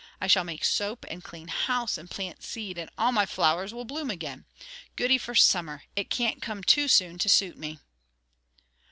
I shall make soap, and clane house, and plant seed, and all my flowers will bloom again. Goody for summer; it can't come too soon to suit me."